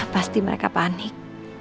pasti mereka panik